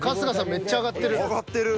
めっちゃ上がってる］